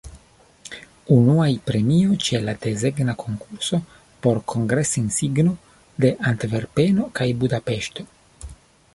Unuaj premioj ĉe la desegna konkurso por kongres-insigno de Antverpeno kaj Budapeŝto.